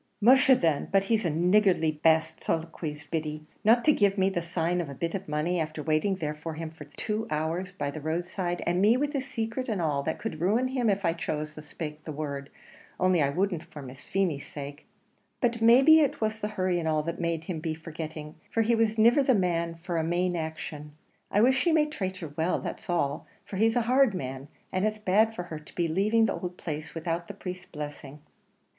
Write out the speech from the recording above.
"Musha then, but he's a niggardly baste!" soliloquised Biddy, "not to give me the sign of a bit of money, after waiting there for him these two hours by the road side, and me with his sacret and all, that could ruin him if I chose to spake the word, only I wouldn't for Miss Feemy's sake. But maybe it was the hurry and all that made him be forgitting, for he was niver the man for a mane action. I wish he may trate her well, that's all; for he's a hard man, and it's bad for her to be leaving the ould place without the priest's blessing."